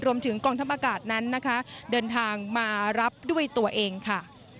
รวมถึงกองทัพอากาศนั้นนะคะเดินทางมารับด้วยตัวเองค่ะ